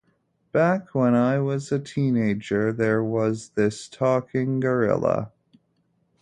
Back when I was a teenager, there was this talking gorilla.